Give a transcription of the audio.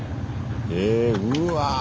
えうわ。